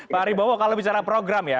pak ari bawowo kalau bicara program ya